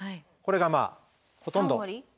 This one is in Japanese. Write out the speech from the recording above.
これがまあほとんど。